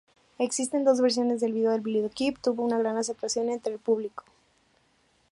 Existen dos versiones del vídeo, el videoclip tuvo una gran aceptación entre el público.